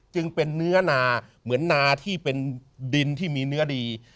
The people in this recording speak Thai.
จึงเป็นเนื้อนาเหมือนนาที่เป็นดินที่มีเนื้อดี